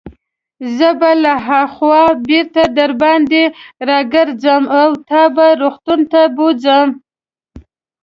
زه به له هاخوا بیرته درباندې راګرځم او تا به روغتون ته بوزم.